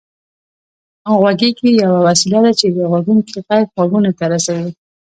غوږيکې يوه وسيله ده چې د غږوونکي غږ غوږونو ته رسوي